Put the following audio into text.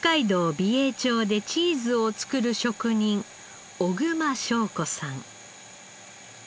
美瑛町でチーズを作る職人小熊章子さん。